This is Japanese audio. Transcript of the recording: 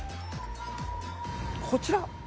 こちら？